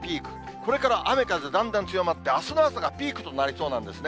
これから雨風、だんだん強まって、あすの朝がピークとなりそうなんですね。